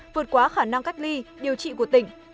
vượt quá khả năng cách ly điều trị của tỉnh